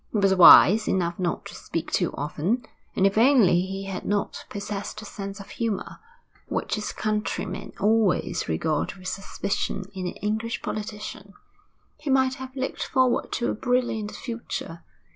He was wise enough not to speak too often, and if only he had not possessed a sense of humour which his countrymen always regard with suspicion in an English politician he might have looked forward to a brilliant future.